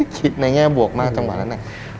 ในแง่บวกมากจังหวะนั้น